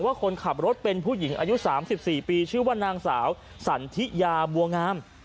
คนขับรถเป็นผู้หญิงอายุ๓๔ปีชื่อว่านางสาวสันทิยาบัวงาม